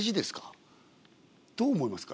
どう思いますか？